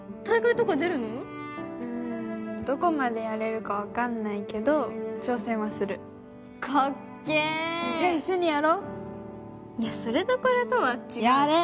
うんどこまでやれるか分かんないけど挑戦はするかっけーじゃあ一緒にやろいやそれとこれとは違うやれ！